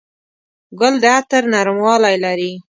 ګل د عطر نرموالی لري.